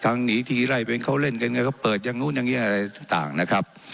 หนีทีไล่เป็นเขาเล่นกันไงเขาเปิดอย่างนู้นอย่างนี้อะไรต่างนะครับ